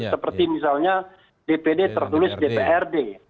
seperti misalnya dpd tertulis dprd